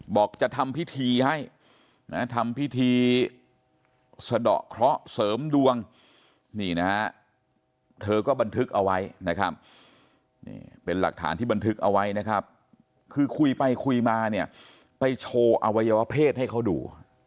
บอกจะทำพิธีให้นะทำพิธีสะดอกเคราะห์เสริมดวงนี่นะฮะเธอก็บันทึกเอาไว้นะครับนี่เป็นหลักฐานที่บันทึกเอาไว้นะครับคือคุยไปคุยมาเนี่ยไปโชว์อวัยวะเพศให้เขาดู